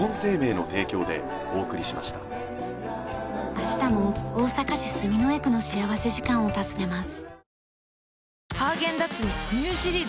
明日も大阪市住之江区の幸福時間を訪ねます。